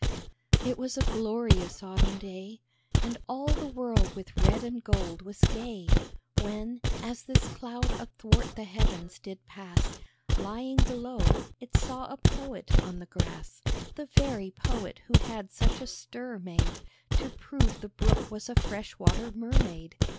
It was a glorious Autumn day, And all the world with red and gold was gay; When, as this cloud athwart the heavens did pass, Lying below, it saw a Poet on the grass, The very Poet who had such a stir made, To prove the Brook was a fresh water mermaid.